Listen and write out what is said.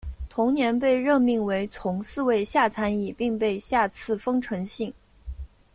同年被任命为从四位下参议并被下赐丰臣姓。